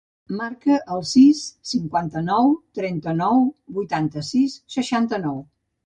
Marca el sis, cinquanta-nou, trenta-nou, vuitanta-sis, seixanta-nou.